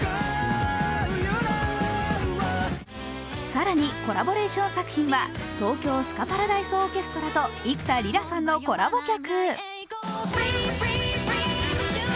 更に、コラボレーション作品は東京スカパラダイスオーケストラと幾田りらさんのコラボ曲。